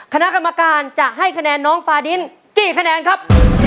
คณะกรรมการจะให้คะแนนน้องฟาดินกี่คะแนนครับ